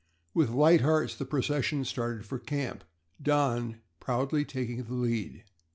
With light hearts the procession started for camp, Don proudly taking the lead.